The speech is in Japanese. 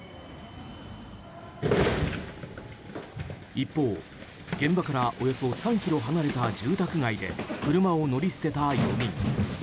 一方、現場からおよそ３ｋｍ離れた住宅街で車を乗り捨てた４人。